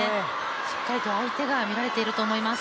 しっかりと相手が見られていると思います。